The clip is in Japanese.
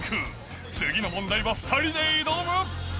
次の問題は２人で挑む。